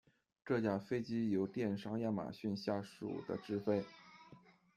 这架飞机由电商亚马逊下属的执飞。